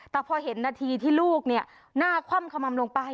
แต่พอเห็นนาทีที่ลูกหน้าคว่ำขมัมลงไป